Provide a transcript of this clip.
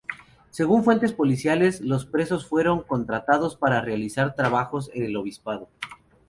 Según fuentes policiales, los presos fueron contratados para realizar trabajos en el obispado.